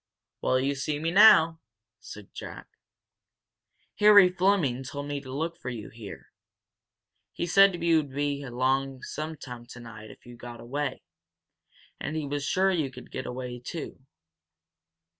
"Well, you see me now," said Jack. "Harry Fleming told me to look for you here. He said you'd be along some time tonight, if you got away. And he was sure you could get away, too."